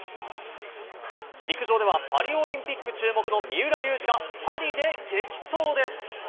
陸上ではパリオリンピック注目の三浦龍司がパリで激走です。